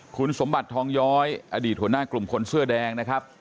คุณสมบัติทองย้อยอดีตหัวหน้ากลุ่มคนเสื้อแดงนะครับ